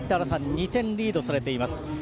２点リードされています。